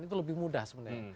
itu lebih mudah sebenarnya